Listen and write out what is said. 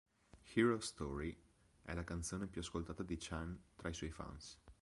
Hero Story è la canzone più ascoltata di Chan tra i suoi fans.